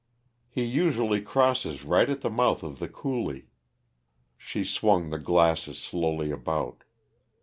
"He usually crosses right at the mouth of the coulee " She swung the glasses slowly about.